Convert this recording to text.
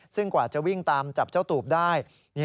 ซึ่งกว่าจะวิ่งตามจับเจ้าตูบได้